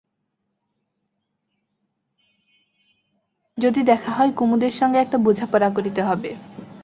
যদি দেখা হয় কুমুদের সঙ্গে একটা বোঝাপড়া করিতে হবে।